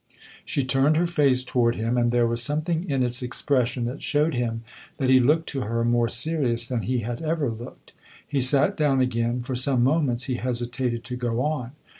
She turned her face toward him, and there was something in its expression that showed him that he looked to her more serious than he had ever looked. He sat down again; for some moments he hesitated to go on.